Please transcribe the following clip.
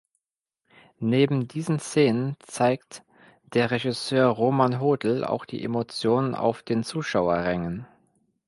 Neben diesen Szenen zeigt der Regisseur Roman Hodel auch die Emotionen auf den Zuschauerrängen.